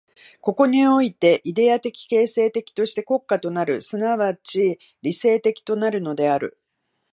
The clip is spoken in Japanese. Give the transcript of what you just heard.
ここにおいてイデヤ的形成的として国家となる、即ち理性的となるのである。